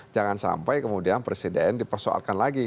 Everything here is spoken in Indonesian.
jangan sampai kemudian presiden dipersoalkan lagi